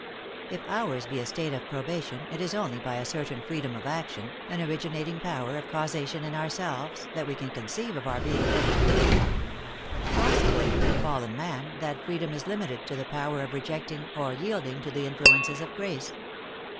If ours be a state of probation, it is only by a certain freedom of action, an originating power of causation in ourselves, that we can conceive of our being put to proof. Possibly, in fallen man, that freedom is limit ed to the power of rejecting or yielding to the influ ences of grace.